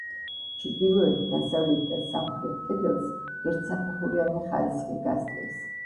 ჩრდილოეთ, დასავლეთ და სამხრეთ კედელს ერთსაფეხურიანი ხარისხი გასდევს.